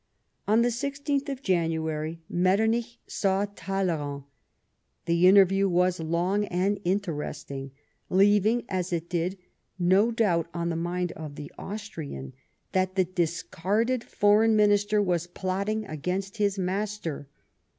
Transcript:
On the 16th January, Metternich saw Talleyrand. The interview was long and interesting, leaving, as it did, no doubt on the mind of the Austrian that the discarded Foreign Minister was plotting against his master.